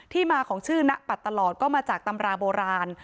มาของชื่อณปัดตลอดก็มาจากตำราโบราณ